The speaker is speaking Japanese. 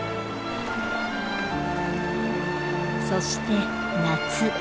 そして夏